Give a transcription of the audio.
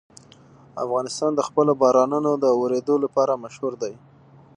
افغانستان د خپلو بارانونو د اورېدو لپاره مشهور دی.